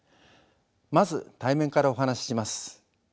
まず対面からお話しします。